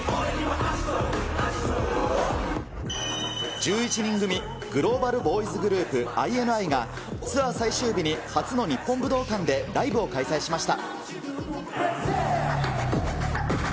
１１人組、グローバルボーイズグループ、ＩＮＩが、ツアー最終日に、初の日本武道館でライブを開催しました。